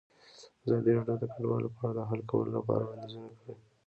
ازادي راډیو د کډوال په اړه د حل کولو لپاره وړاندیزونه کړي.